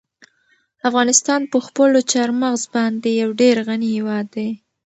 افغانستان په خپلو چار مغز باندې یو ډېر غني هېواد دی.